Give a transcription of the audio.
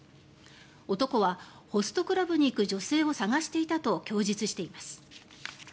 男はホストクラブに行く女性を探していたと供述しています。